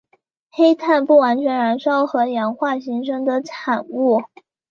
黑碳不完全燃烧和氧化形成的产物。